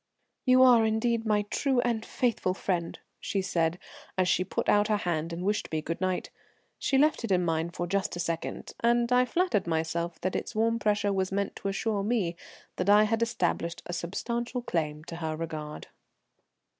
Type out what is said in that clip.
"You are, indeed, my true and faithful friend," she said, as she put out her hand and wished me good night. She left it in mine for just a second, and I flattered myself that its warm pressure was meant to assure me that I had established a substantial claim to her regard.